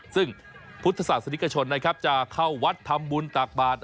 ซึ่งพุทธศาสนิกชนนะครับจะเข้าวัดทำบุญตักบาท